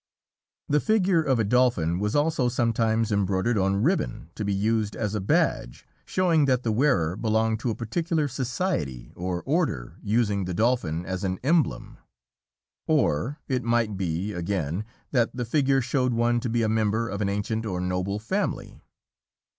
The figure of a Dolphin was also sometimes embroidered on ribbon to be used as a badge, showing that the wearer belonged to a particular society or order using the Dolphin as an emblem. Or it might be, again, that the figure showed one to be a member of an ancient or noble family.